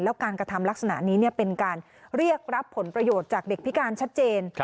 แล้วการกระทำลักษณะนี้เป็นการเรียกรับผลประโยชน์จากเด็กพิการชัดเจน